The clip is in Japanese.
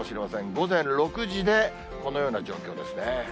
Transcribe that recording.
午前６時でこのような状況ですね。